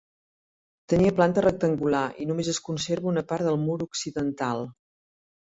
Tenia planta rectangular i només es conserva una part del mur occidental.